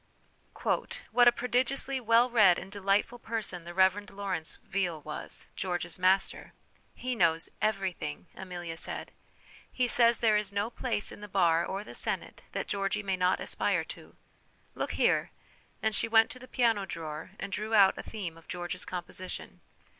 " What a prodigiously well read and delightful person the Reverend Lawrence Veal was, George's master !' He knows everything' Amelia said. ' He says there is no place in the bar or the senate that Georgy may not aspire to. Look here/ and she went to the piano drawer and drew out a theme of George's composition.